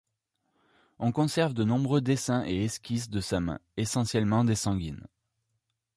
On conserve de nombreux dessins et esquisses de sa main, essentiellement des sanguines.